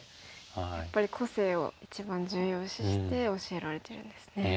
やっぱり個性を一番重要視して教えられてるんですね。